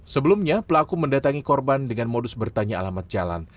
sebelumnya pelaku mendatangi korban dengan modus bertanya alamat jalan